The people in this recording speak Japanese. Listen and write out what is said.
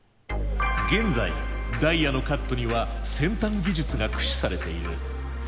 現在ダイヤのカットには先端技術が駆使されている。